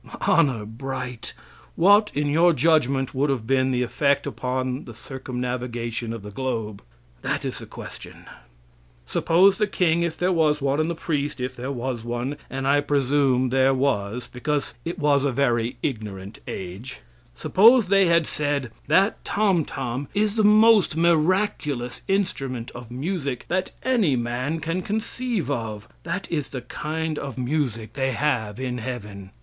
Honor bright, what, in your judgment, would have been the effect upon the circumnavigation of the globe? That is the question. Suppose the king, if there was one, and the priest, if there was one and I presume there was, because it was a very ignorant age suppose they had said: "That tomtom is the most miraculous instrument of music that any man can conceive of; that is the kind of music they have in heaven.